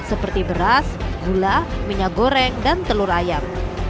seperti beras gula minyak goreng dan telur ayam